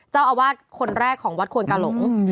เจ้าอาวาสคนแรกของวัดควนกาหลง